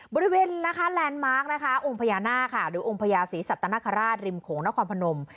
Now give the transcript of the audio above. บริเวณนะคะโอมพยานาค่ะหรือโอมพยาศิสัตนคราชริมโขงนครพนม